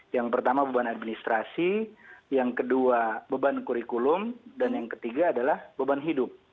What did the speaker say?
yang pertama beban administrasi yang kedua beban kurikulum dan yang ketiga adalah beban hidup